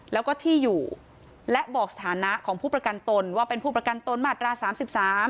แล้วก็ที่อยู่และบอกสถานะของผู้ประกันตนว่าเป็นผู้ประกันตนมาตราสามสิบสาม